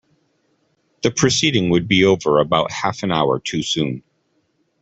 The proceeding would be over about half an hour too soon.